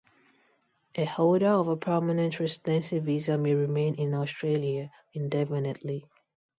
A holder of a permanent residency visa may remain in Australia indefinitely.